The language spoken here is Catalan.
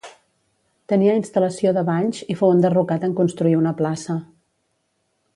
Tenia instal·lació de banys, i fou enderrocat en construir una plaça.